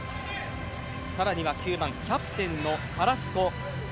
更には９番、キャプテンのカラスコ。